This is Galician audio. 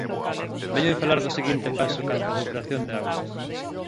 Veñen falar do seguinte paso canto a depuración de augas.